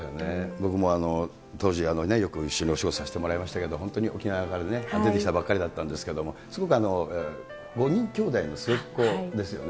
僕も当時、よく一緒にお仕事させてもらいましたけど、本当に沖縄からね、出てきたばっかりだったんですけれども、５人きょうだいの末っ子ですよね。